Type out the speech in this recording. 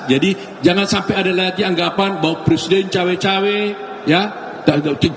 jadi jangan sampai ada lagi anggapan bahwa presiden cawe cawe